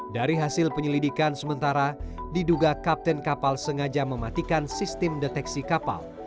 dari hasil penyelidikan sementara diduga kapten kapal sengaja mematikan sistem deteksi kapal